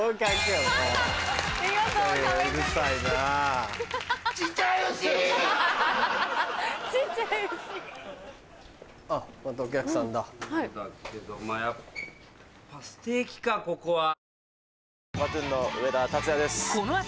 やっぱステーキかここは。